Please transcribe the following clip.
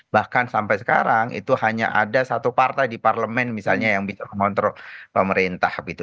bahkan sampai sekarang itu hanya ada satu partai di parlemen misalnya yang bisa mengontrol pemerintah gitu